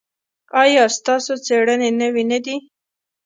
ایا ستاسو څیړنې نوې نه دي؟